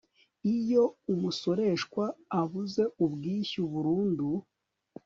iyo umusoreshwa abuze ubwishyu burundu